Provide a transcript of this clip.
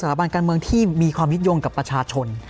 บันการเมืองที่มีความยึดโยงกับประชาชน